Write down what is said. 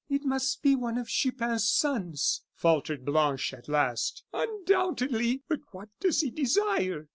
"It must be one of Chupin's sons," faltered Blanche, at last. "Undoubtedly; but what does he desire?"